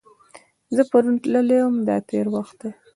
زه پرون تللی وم – دا تېر وخت دی.